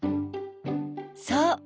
そう。